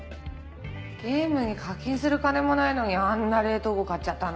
ゲームに課金する金もないのにあんな冷凍庫買っちゃったの？